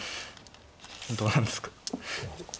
どうなんですか？